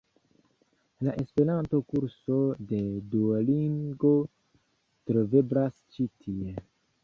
La Esperanto-kurso de Duolingo troveblas ĉi tie.